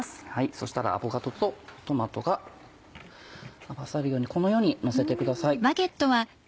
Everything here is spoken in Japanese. そしたらアボカドとトマトが合わさるようにこのようにのせてください。